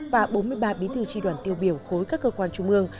và bốn mươi ba bí thư tri đoàn tiêu biểu khối các cơ quan trung ương